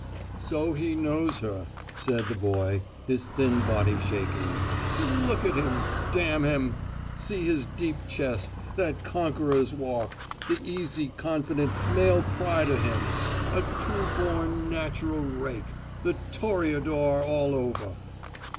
"So he knows her," said the boy, his thin body shaking. "Look at him, damn him! See his deep chest, that conqueror's walk, the easy, confident, male pride of him: a true born, natural rake the Toreador all over!"